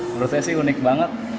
menurutnya sih unik banget